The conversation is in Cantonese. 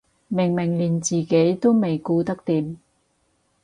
明明連自己都未顧得掂